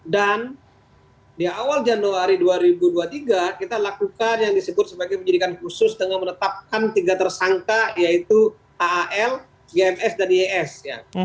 dan di awal januari dua ribu dua puluh tiga kita lakukan yang disebut sebagai penyelidikan khusus dengan menetapkan tiga tersangka yaitu aal gms dan ys